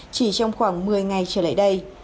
chỉ trong khoảng một mươi ngày trở lại đây